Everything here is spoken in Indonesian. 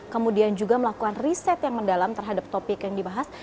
kemudian juga melakukan riset yang mendalam terhadap topik yang dibahas